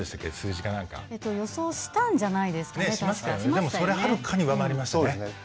でもそれはるかに上回りましたね。